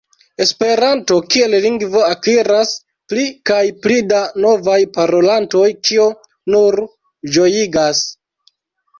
Esperanto kiel lingvo akiras pli kaj pli da novaj parolantoj, kio nur ĝojigas.